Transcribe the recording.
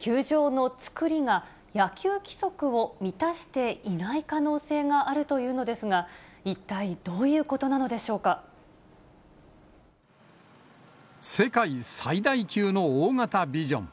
球場の造りが野球規則を満たしていない可能性があるというのですが、一体どういうことなので世界最大級の大型ビジョン。